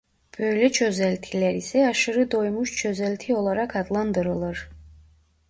Böyle çözeltiler ise aşırı doymuş çözelti olarak adlandırılır.